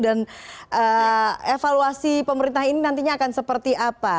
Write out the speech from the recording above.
dan evaluasi pemerintah ini nantinya akan seperti apa